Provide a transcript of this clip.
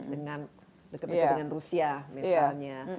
deket deket dengan rusia misalnya